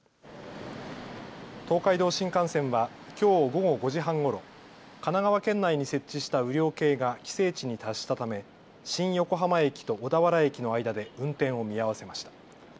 東海道新幹線はきょう午後５時半ごろ神奈川県内に設置した雨量計が規制値に達したため新横浜駅と小田原駅の間で運転を見合わせました。